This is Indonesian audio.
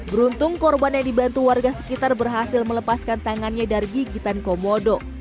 beruntung korban yang dibantu warga sekitar berhasil melepaskan tangannya dari gigitan komodo